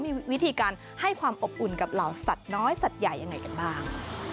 มีวิธีการให้ความอบอุ่นกับเหล่าสัตว์น้อยสัตว์ใหญ่ยังไงกันบ้าง